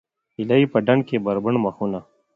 هیلۍ په ډنډ کې بربنډ مخونه